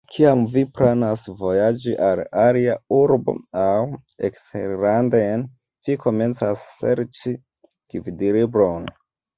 Kiam vi planas vojaĝi al alia urbo aŭ eksterlanden, vi komencas serĉi gvidlibron.